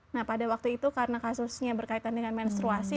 nah pada waktu itu karena kasusnya berkaitan dengan menstruasi